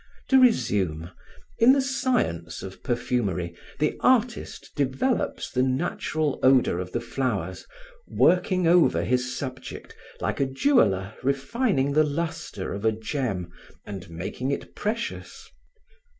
To resume, in the science of perfumery, the artist develops the natural odor of the flowers, working over his subject like a jeweler refining the lustre of a gem and making it precious.